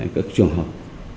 các trường học